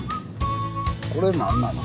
これ何なの？